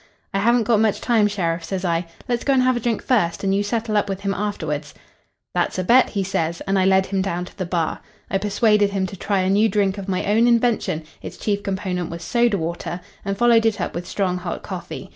"'I haven't got much time, sheriff,' says I. 'Let's go and have a drink first, and you settle up with him afterwards.' "'That's a bet,' he says, and I led him down to the bar. I persuaded him to try a new drink of my own invention its chief component was soda water and followed it up with strong hot coffee.